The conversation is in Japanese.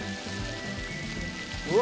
うわ！